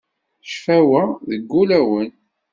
Ccfawa, deg ulawen.